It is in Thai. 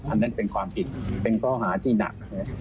อันนั้นเป็นความผิดเป็นข้อหาที่หนัก